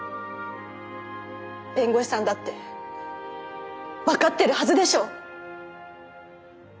弁護士さんだって分かってるはずでしょ！？